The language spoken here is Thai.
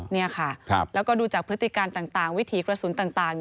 เนี่ยค่ะแล้วก็ดูจากพฤติการต่าง